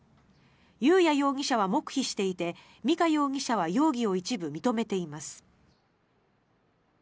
裕也容疑者は黙秘していて美香容疑者は容疑を一部認めています。